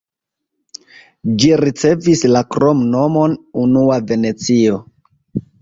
Ĝi ricevis la kromnomon "unua Venecio".